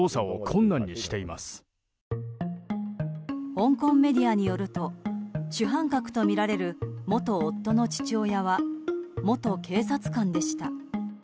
香港メディアによると主犯格とみられる元夫の父親は元警察官でした。